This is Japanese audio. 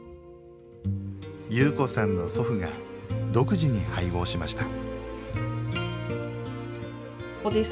侑子さんの祖父が独自に配合しました。